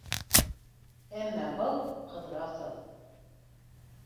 Әммә был, Ҡыҙрасов...